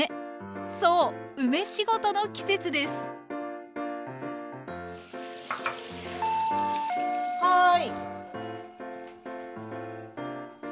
そう「梅仕事」の季節です・はい。